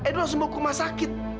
ido harus membawa ke rumah sakit